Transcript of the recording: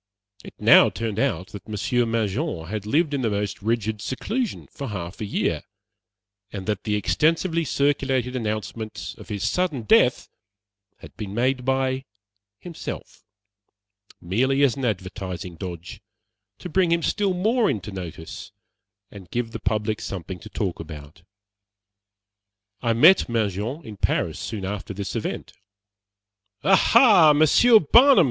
It now turned out that Monsieur Mangin had lived in the most rigid seclusion for half a year, and that the extensively circulated announcements of his sudden death had been made by himself, merely as an "advertising dodge" to bring him still more into notice, and give the public something to talk about. I met Mangin in Paris soon after this event. "Aha, Monsieur Barnum!"